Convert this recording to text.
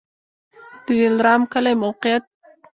د دلارام کلی موقعیت